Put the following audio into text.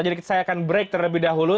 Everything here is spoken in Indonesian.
jadi saya akan break terlebih dahulu